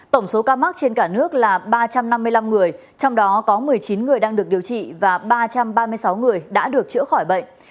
tổng số ca mắc trên cả nước là ba trăm năm mươi năm người trong đó có một mươi chín người đang được điều trị và ba trăm ba mươi sáu người đã được chữa khỏi bệnh